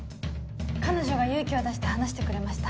彼女が勇気を出して話してくれました。